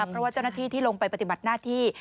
เพราะว่าเจ้าหน้าที่ที่ลงไปปฏิบัติหน้าที่